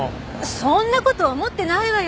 そんな事思ってないわよ。